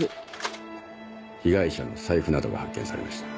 被害者の財布などが発見されました。